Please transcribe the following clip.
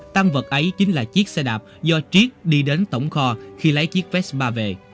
tăng vật ấy chính là chiếc xe đạp do triết đi đến tổng kho khi lấy chiếc vespa